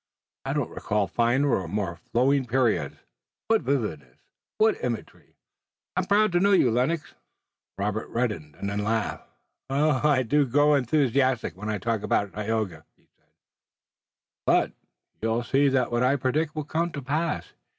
I don't recall finer and more flowing periods! What vividness! What imagery! I'm proud to know you, Lennox!" Robert reddened and then laughed. "I do grow enthusiastic when I talk about Tayoga," he said, "but you'll see that what I predict will come to pass.